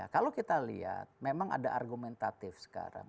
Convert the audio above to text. kalau kita lihat memang ada argumentatif sekarang